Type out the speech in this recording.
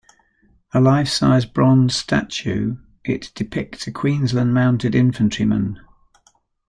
A life-size bronzed statue, it depicts a Queensland Mounted Infantryman.